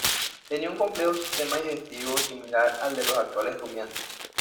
Tenía un complejo sistema digestivo, similar al de los actuales rumiantes.